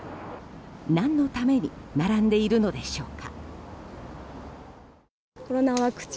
何のために並んでいるのでしょうか。